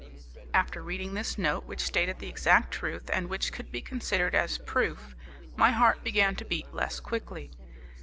After reading this note, which stated the exact truth, and which could be considered as proof, my heart began to beat less quickly.